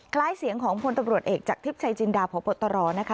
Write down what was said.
คล้ายเสียงของพลตำรวจเอกจากทิพย์ชัยจินดาพบตรนะคะ